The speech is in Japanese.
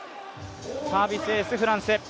サービスエース、フランス。